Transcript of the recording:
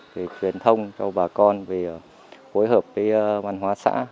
về truyền thông cho bà con về phối hợp với văn hóa xã